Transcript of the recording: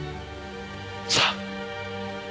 さあ！